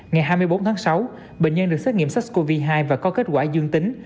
ngày hai mươi bốn tháng sáu bệnh nhân được xét nghiệm sars cov hai và có kết quả dương tính